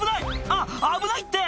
あっ危ないって！